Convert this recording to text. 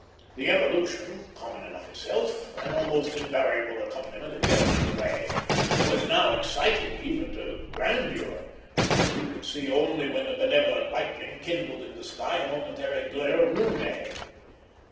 The evolution, common enough itself, an almost invariable accompaniment of getting under way, was now exciting even to grandeur, for we could see only when the benevolent lightning kindled in the sky a momentary glare of noonday.